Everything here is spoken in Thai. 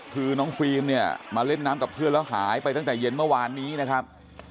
คือน้องฟิล์มเนี่ยมาเล่นน้ำกับเพื่อนแล้วหายไปตั้งแต่เย็นเมื่อวานนี้นะครับ